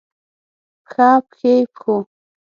پښه ، پښې ، پښو